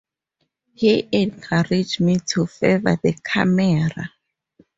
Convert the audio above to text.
He encouraged me to favor the camera.